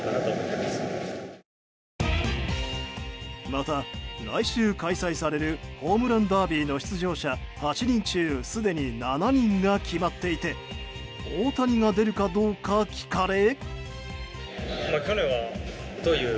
また、来週開催されるホームランダービーの出場者８人中すでに７人が決まっていて大谷が出るかどうか聞かれ。